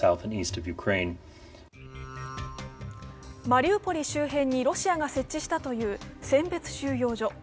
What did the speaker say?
マリウポリ周辺にロシアが設置したという選別収容所。